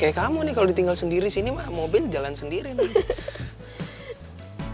kayak kamu nih kalau ditinggal sendiri sini mah mobil jalan sendiri nanti